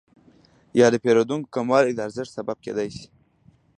یا د پیرودونکو کموالی د ارزانښت سبب کیدای شي؟